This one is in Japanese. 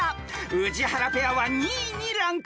［宇治原ペアは２位にランクアップ］